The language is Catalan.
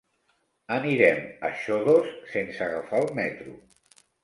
Anirem a Xodos sense agafar el metro.